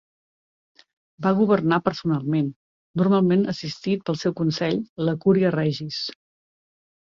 Va governar personalment, normalment assistit pel seu consell, la Curia Regis.